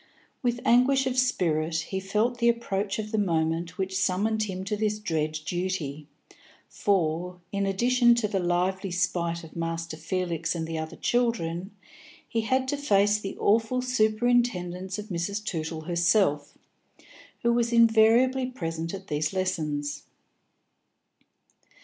With anguish of spirit he felt the approach of the moment which summoned him to this dread duty, for, in addition to the lively spite of Master Felix and the other children, he had to face the awful superintendence of Mrs. Tootle herself; who was invariably present at these lessons.